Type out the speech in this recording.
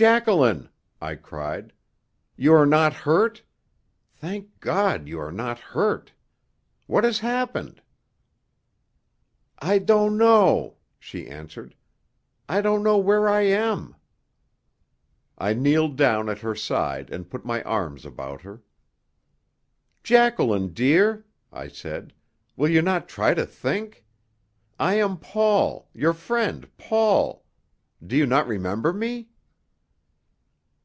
"Jacqueline," I cried, "you are not hurt? Thank God you are not hurt. What has happened?" "I don't know," she answered. "I don't know where I am." I kneeled down at her side and put my arms about her. "Jacqueline, dear;" I said, "will you not try to think? I am Paul your friend Paul. Do you not remember me?"